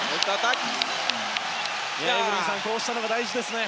エブリンさん、こうしたものが大事ですね。